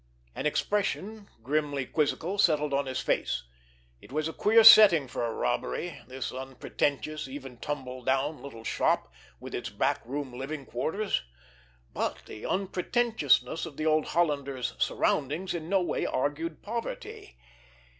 An expression, grimly quizzical, settled on his face. It was a queer setting for a robbery, this unpretentious, even tumble down, little shop, with its back room living quarters! But the unpretentiousness of the old Hollander's surroundings in no way argued poverty!